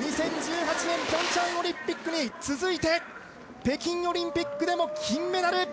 ２０１８年ピョンチャンオリンピックに続いて北京オリンピックでも金メダル！